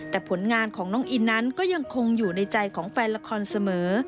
แต่ผลงานของน้องอินนั้นก็ยังคงอยู่ในใจของแฟนละครเสมอ